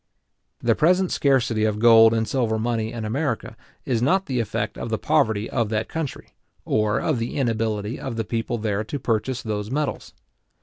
The present scarcity of gold and silver money in America, is not the effect of the poverty of that country, or of the inability of the people there to purchase those metals.